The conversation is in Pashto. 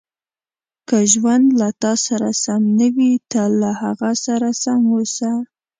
• که ژوند له تا سره سم نه وي، ته له هغه سره سم اوسه.